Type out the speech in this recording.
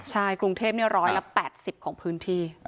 ใช่กรุงเทพฯร้อยละ๘๐ของพื้นที่